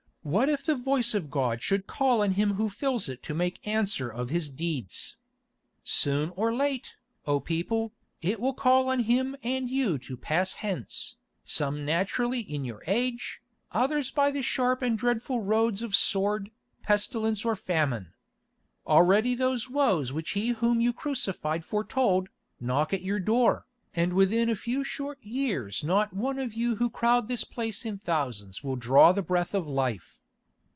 What if the voice of God should call on him who fills it to make answer of his deeds? Soon or late, O people, it will call on him and you to pass hence, some naturally in your age, others by the sharp and dreadful roads of sword, pestilence or famine. Already those woes which He whom you crucified foretold, knock at your door, and within a few short years not one of you who crowd this place in thousands will draw the breath of life.